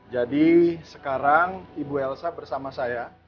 jadi sekarang ibu elsa bersama saya